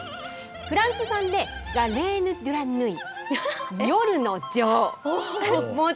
フランス産で、ラ・レーヌ・ドゥ・ラ・ニュイ。